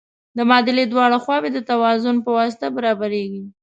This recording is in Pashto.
د معادلې دواړه خواوې د توازن په واسطه برابریږي.